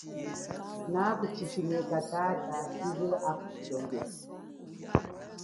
Naku chichimieka tata hachize atulongesanga.